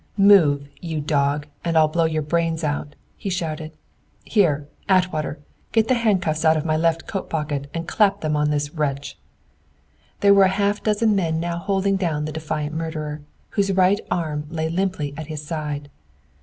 "Move, you dog, and I'll blow your brains out!" he shouted. "Here, Atwater, get the handcuffs out of my left coat pocket and clap them on this wretch!" There were a half dozen men now holding down the defiant murderer, whose right arm lay limply at his side.